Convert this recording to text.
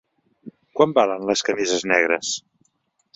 Quant valen les camises negres?